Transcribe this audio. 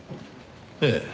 ええ。